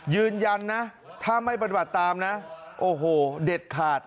ยืนยันนะถ้าไม่ปฏิบัติตามนะโอ้โหเด็ดขาด